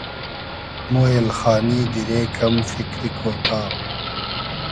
مۉ اېلخانی دیرې کئم فیکری کۉتا